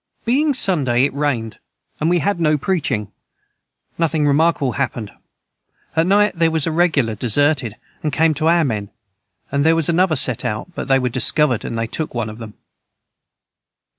Being Sunday it rained and we had no preaching nothing remarkable hapned at night their was a regular deserted and came to our men and their was another set out but they were discovered and they took one of them.